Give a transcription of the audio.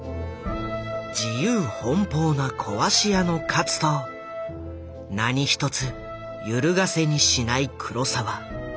自由奔放な壊し屋の勝と何一つゆるがせにしない黒澤。